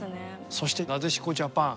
そしてなでしこジャパン。